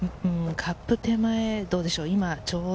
カップ手前、どうでしょう？